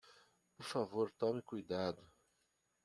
Por favor tome cuidado!